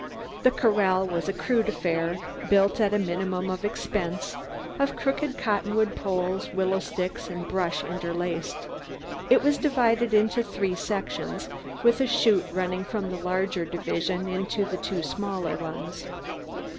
The corral was a crude affair, built at the minimum of expense, of crooked cottonwood poles, willow sticks and brush interlaced. It was divided into three sections, with a chute running from the larger division into two smaller ones.